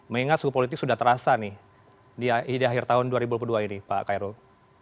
mengingat suhu politik sudah terasa nih di akhir tahun dua ribu dua puluh dua ini pak kairul